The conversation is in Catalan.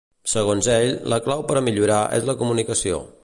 Segons ell, la clau per a millorar és la comunicació.